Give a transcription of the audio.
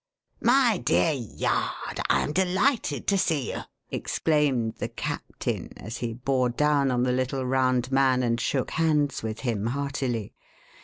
"My dear Yard; I am delighted to see you!" exclaimed the "captain" as he bore down on the little round man and shook hands with him heartily.